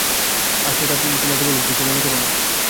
আর সেটা তোমাকে বলব, কিছুমনে কোরো না।